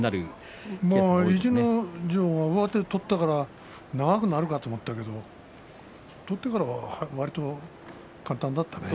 逸ノ城は上手を取ったから長くなるかと思ったけど取ってからはわりと簡単だったね。